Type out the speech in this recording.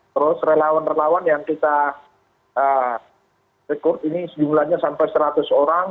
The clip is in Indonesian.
terus relawan relawan yang kita rekrut ini jumlahnya sampai seratus orang